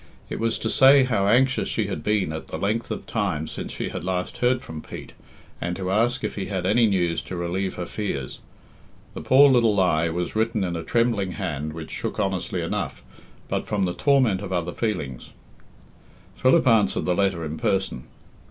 It was to say how anxious she had been at the length of time since she had last heard from Pete, and to ask if he had any news to relieve her fears. The poor little lie was written in a trembling hand which shook honestly enough, but from the torment of other feelings. Philip answered the letter in person.